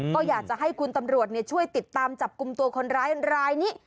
ก็อยากจะให้คุณตำรวจช่วยติดตามจับกลุ่มตัวคนร้ายรายนี้